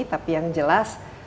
tapi yang jelas